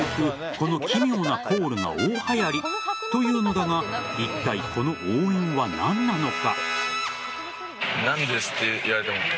この奇妙なコールが大はやりというのだがいったい、この応援は何なのか。